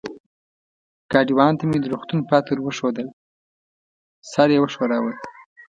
ګاډیوان ته مې د روغتون پته ور وښوول، سر یې و ښوراوه.